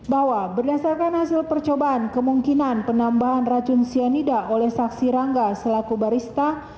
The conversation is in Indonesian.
bahwa berdasarkan hasil percobaan kemungkinan penambahan racun cyanida oleh saksi rangga selaku barista